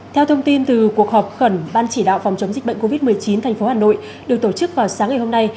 theo thông tin từ cuộc họp khẩn ban chỉ đạo phòng chống dịch bệnh covid một mươi chín thành phố hà nội được tổ chức vào sáng ngày hôm nay